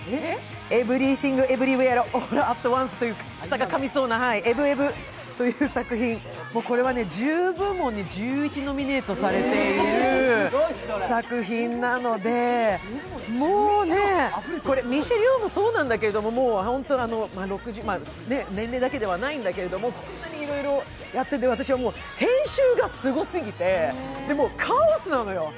「エブリシング・エブリウェア・オール・アット・ワンス」という舌をかみそうな、「エブエブ」という作品で、これは１０部門、１１部門、にノミネートされている、これ、ミシェル・ヨーもそうなんだけど、年齢だけではないんだけれども、こんなにいろいろやっていて、私はもう、編集がすごすぎて、カオスなのよ。